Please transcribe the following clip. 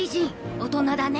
大人だね。